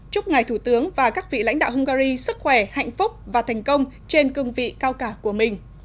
chúc ngài thủ tướng và các vị lãnh đạo hungary sức khỏe hạnh phúc và thành công trên cương vị cao cả của mình